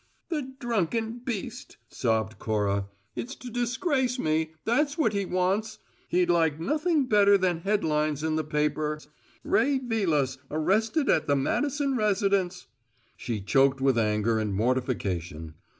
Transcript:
"The drunken beast!" sobbed Cora. "It's to disgrace me! That's what he wants. He'd like nothing better than headlines in the papers: `Ray Vilas arrested at the Madison residence'!" She choked with anger and mortification.